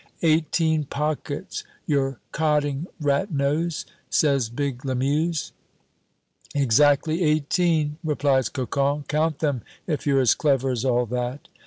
"Eighteen pockets! You're codding, rat nose," says big Lamuse. "Exactly eighteen," replies Cocon. "Count them, if you're as clever as all that."